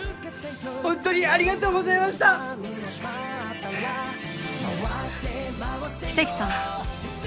ホントにありがとうございましたキセキさん